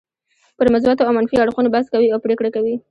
پر مثبتو او منفي اړخونو بحث کوي او پرېکړه کوي.